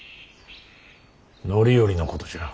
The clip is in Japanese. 範頼のことじゃ。